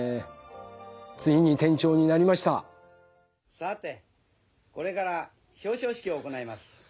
さてこれから表彰式を行います。